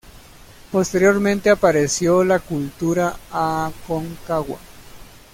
Posteriormente apareció la Cultura Aconcagua.